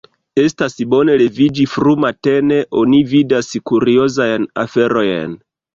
Estas bone leviĝi frumatene: oni vidas kuriozajn aferojn.